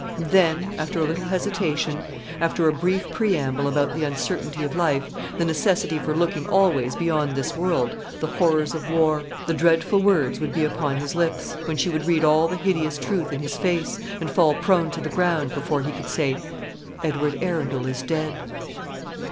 And then, after a little hesitation after a brief preamble about the uncertainty of life, the necessity for looking always beyond this world, the horrors of war, the dreadful words would be upon his lips, when she would read all the hideous truth in his face, and fall prone to the ground, before he could say, "Edward Arundel is dead!"